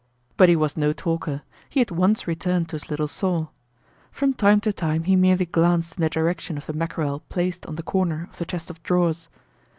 But he was no talker; he at once returned to his little saw. From time to time he merely glanced in the direction of the mackerel placed on the corner of the chest of drawers.